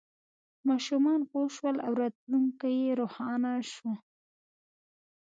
ماشومان پوه شول او راتلونکی یې روښانه شو.